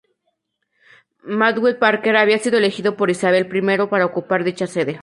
Matthew Parker había sido elegido por Isabel I para ocupar dicha sede.